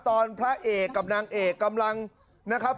พระเอกกับนางเอกกำลังนะครับ